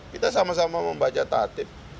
kita sama sama membaca tatib